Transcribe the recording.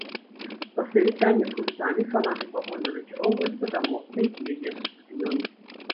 Пасля вітання з гульцамі фанаты павольна накіроўваюцца да моста, які вядзе да стадыёна.